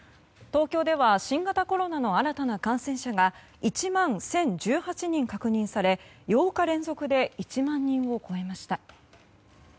東京では新型コロナの新たな感染者が１万１０１８人、確認され８日連続で１万人を超えました。